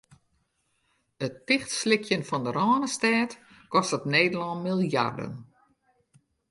It tichtslykjen fan de Rânestêd kostet Nederlân miljarden.